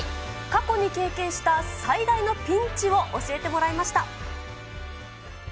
過去に経験した最大のピンチを教えてもらいました。